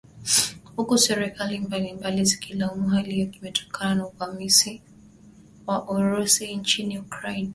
huku serikali mbalimbali zikilaumu hali hiyo imetokana na uvamizi wa Urusi nchini Ukraine